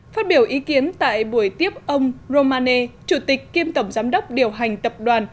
phát biểu ý kiến tại buổi tiếp ông romane chủ tịch kiêm tổng giám đốc điều hành tập đoàn